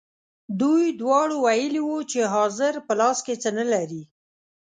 دوی دواړو ویلي وو چې حاضر په لاس کې څه نه لري.